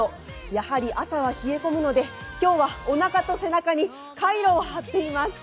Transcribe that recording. やはり朝は冷え込むので今日はおなかと背中にカイロを貼っています。